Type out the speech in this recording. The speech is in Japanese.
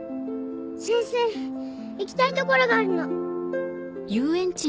先生行きたい所があるの！